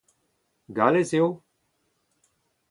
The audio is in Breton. Gallez eo ?